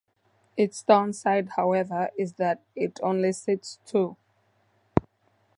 Its downside however is that it only seats two.